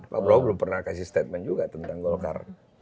pak prabowo belum pernah kasih statement juga tentang golkar